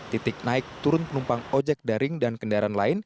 titik naik turun penumpang ojek daring dan kendaraan lain